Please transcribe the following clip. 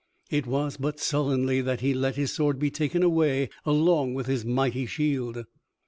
It was but sullenly that he let his sword be taken away along with his mighty shield.